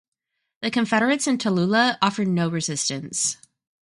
The Confederates in Tallulah offered no resistance.